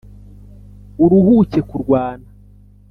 uruhuke kurwana